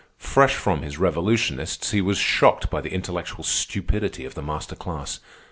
Fresh from his revolutionists, he was shocked by the intellectual stupidity of the master class.